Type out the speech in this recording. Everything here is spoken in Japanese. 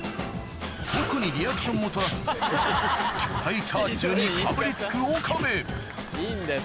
特にリアクションも取らず巨大チャーシューにかぶりつく岡部いいんだよ